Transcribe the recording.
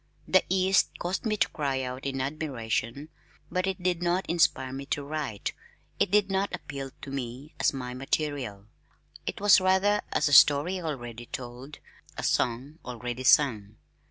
The East caused me to cry out in admiration, but it did not inspire me to write. It did not appeal to me as my material. It was rather as a story already told, a song already sung.